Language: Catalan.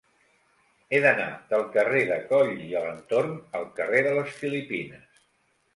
He d'anar del carrer de Coll i Alentorn al carrer de les Filipines.